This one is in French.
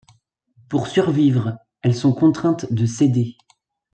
Pour survivre, elles sont contraintes de céder.